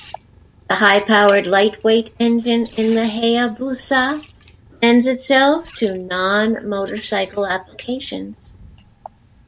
The high-powered lightweight engine in the Hayabusa lends itself to non-motorcycle applications.